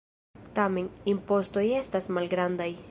Tamen, impostoj estas malgrandaj.